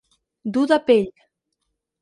Dur de pell.